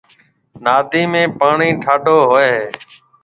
نادِي ۾ پاڻِي ٺاڍو هوئيَ هيَ